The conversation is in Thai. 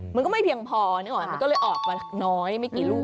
มันก็ไม่เพียงพอนึกออกมันก็เลยออกมาน้อยไม่กี่ลูก